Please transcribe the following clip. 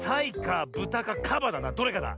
どれかだ。